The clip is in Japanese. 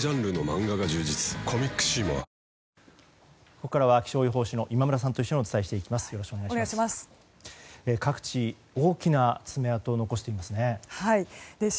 ここからは気象予報士の今村さんと一緒にお伝えしていきます。